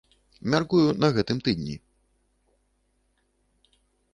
Мяркую, на гэтым тыдні.